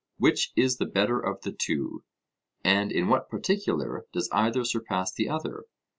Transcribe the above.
Which is the better of the two? and in what particular does either surpass the other?